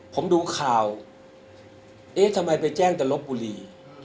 ผมดูข่าวเอ๊ะทำไมไปแจ้งแต่ลบบุรี